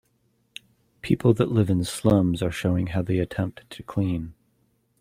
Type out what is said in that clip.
People that live in slums are showing how they attempt to clean.